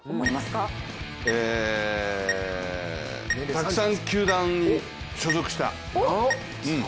たくさん球団に所属した？